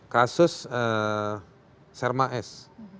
kasus serma s